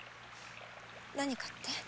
何かって？